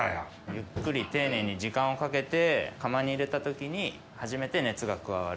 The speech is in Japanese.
ゆっくり丁寧に時間をかけて窯に入れた時に初めて熱が加わる。